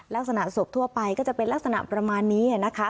ลักษณะศพทั่วไปก็จะเป็นลักษณะประมาณนี้นะคะ